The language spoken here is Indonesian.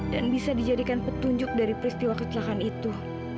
dan bisa dijadikan petunjuk dari peristiwa kecelakaan itu